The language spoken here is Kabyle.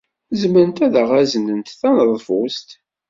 Zemrent ad aɣ-d-aznent taneḍfust?